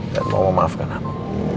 gak mau memaafkan aku